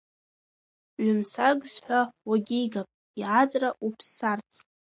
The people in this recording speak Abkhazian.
Ҩымсагс ҳәа уагьигап, иааҵра уԥссарц!